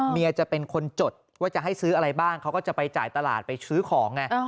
จะเป็นคนจดว่าจะให้ซื้ออะไรบ้างเขาก็จะไปจ่ายตลาดไปซื้อของไง